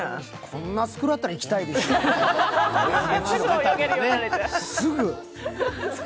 こんなスクールあったら行きたいですよ、すぐ。